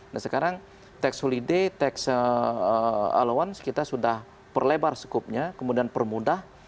nah sekarang tax holiday tax allowance kita sudah perlebar skupnya kemudian permudah